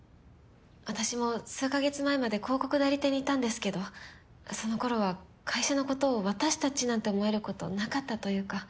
私も数カ月前まで広告代理店にいたんですけどその頃は会社のことを私たちなんて思えることなかったというか。